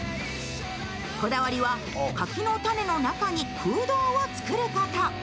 こだわりは、柿の種の中に空洞を作ること。